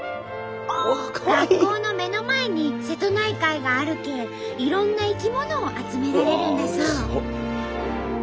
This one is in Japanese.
学校の目の前に瀬戸内海があるけえいろんな生き物を集められるんだそう。